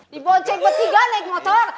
diboncen bertiga naik motor